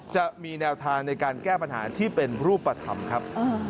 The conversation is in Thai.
จะมีแนวทางในการแก้ปัญหาที่เป็นรูปธรรมครับ